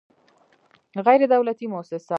غیر دولتي موسسه